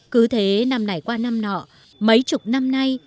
cứ thế năm này qua năm nọ mấy chục năm nay